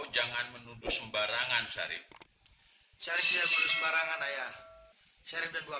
yang tetap mengurangkan saudara dan anak cerisanya